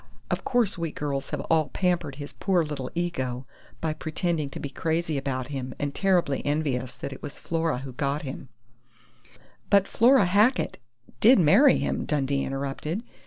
Of course we girls have all pampered his poor little ego by pretending to be crazy about him and terribly envious that it was Flora who got him " "But Flora Hackett did marry him," Dundee interrupted.